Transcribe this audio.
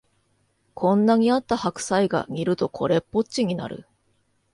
こんなにあった白菜が煮るとこれっぽっちになる